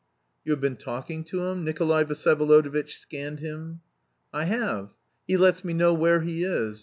"You have been talking to him?" Nikolay Vsyevolodovitch scanned him. "I have. He lets me know where he is.